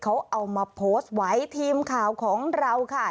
เขาเอามาโพสต์ไว้ทีมข่าวของเราค่ะ